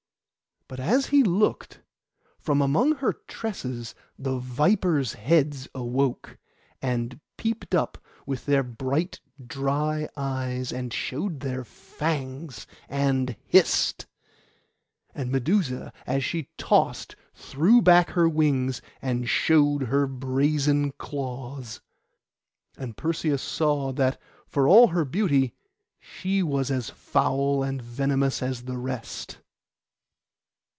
But as he looked, from among her tresses the vipers' heads awoke, and peeped up with their bright dry eyes, and showed their fangs, and hissed; and Medusa, as she tossed, threw back her wings and showed her brazen claws; and Perseus saw that, for all her beauty, she was as foul and venomous as the rest.